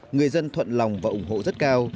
người dân thuận lòng và ủng hộ rất cao